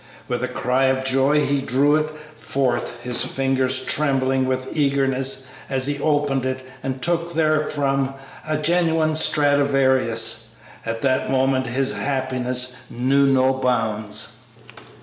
With a cry of joy he drew it forth, his fingers trembling with eagerness as he opened it and took therefrom a genuine Stradivarius. At that moment his happiness knew no bounds.